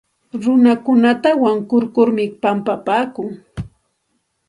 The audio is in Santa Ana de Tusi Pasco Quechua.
Runakuna wañushqa runakunata wankurkurmi pampapaakun.